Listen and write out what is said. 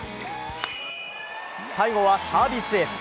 最後はサービスエース。